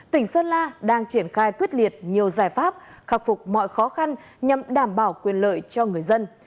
tỉnh sơn la đang triển khai quyết liệt nhiều giải pháp khắc phục mọi khó khăn nhằm đảm bảo quyền lợi cho người dân